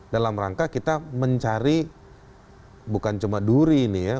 dalam rangka kita mencari bukan cuma duri ini ya